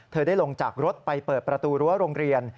ได้ลงจากรถไปเปิดประตูรั้วโรงเรียน